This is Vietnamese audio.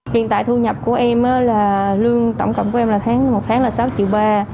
hiện tại thu nhập của em là lương tổng cộng của em là tháng một tháng là sáu triệu ba